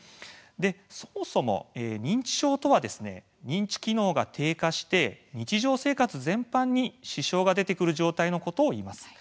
そもそも認知症とは認知機能が低下して日常生活全般に支障が出てくる状態のことをいいます。